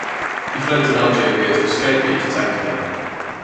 He fled to Nigeria to escape being detained again.